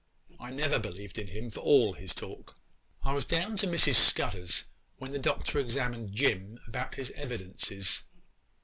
I never believed in him for all his talk. I was down to Miss Scudder's when the Doctor examined Jim about his evidences.